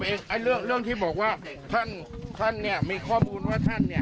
เรื่องเรื่องเรื่องที่บอกว่าท่านท่านเนี้ยมีข้อมูลว่าท่านเนี้ย